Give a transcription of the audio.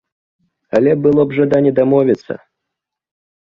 Але было б жаданне дамовіцца.